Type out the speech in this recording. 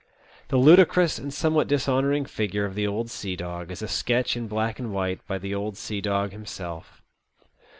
The ludicrous and t^omewhat dishonouring figure of the old sea dog is a sketch in black and white by the old sea dog himself.